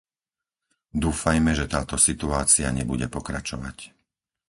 Dúfajme, že táto situácia nebude pokračovať.